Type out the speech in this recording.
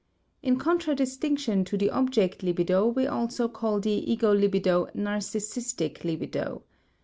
In contradistinction to the object libido we also call the ego libido narcissistic libido.